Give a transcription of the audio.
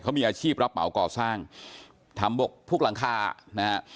เขามีอาชีพรับเหมาก่อสร้างทำบกพวกหลังคานะฮะ